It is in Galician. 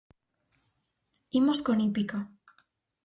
Imos con hípica.